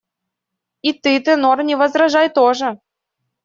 И ты, тенор, не возражай тоже.